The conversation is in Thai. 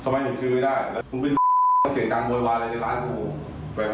ไม่ลดขระถกยิงไม่ได้ตั้งใจ